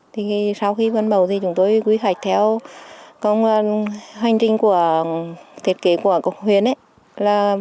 thì sau khi vân mẫu thì chúng tôi quy hoạch theo công hành trình của thiết kế của cổng huyến ấy